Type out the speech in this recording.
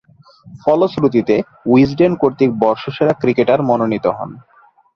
ফলশ্রুতিতে উইজডেন কর্তৃক বর্ষসেরা ক্রিকেটার মনোনীত হন।